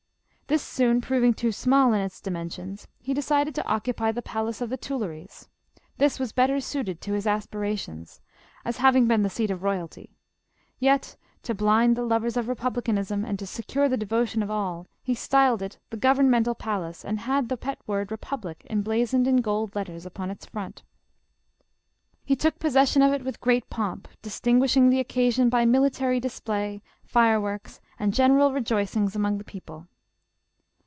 This soon proving too small in its dimensions, he decided to occupy the palace of the Tuilleries ; this was better suited to his aspirations, as having been the seat of royalty ; yet, to blind the lovers of Republicanism and to secure the devotion of all, he styled it the " Gov ernmental Palace," and had the pet word " Republic" emblazoned in gold letters upon its front. He took possession of it with great pomp, distinguishing the oc casion by military display, fireworks and general" re joicings among the people.